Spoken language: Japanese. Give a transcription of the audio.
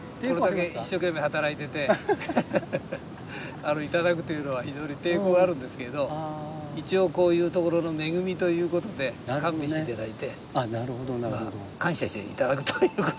一生懸命働いてていただくというのは非常に抵抗あるんですけれど一応こういう所の恵みということで勘弁していただいて感謝していただくということですねはい。